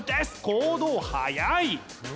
行動早い！